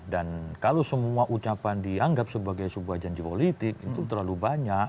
dan kalau semua ucapan dianggap sebagai sebuah janji politik itu terlalu banyak